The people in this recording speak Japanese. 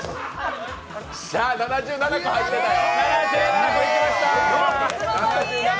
７７個入ってたよ。